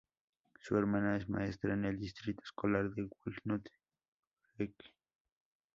Su hermana es maestra en el distrito escolar de Walnut Creek.